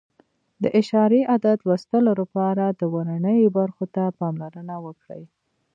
د اعشاري عدد لوستلو لپاره د ورنیې برخو ته پاملرنه وکړئ.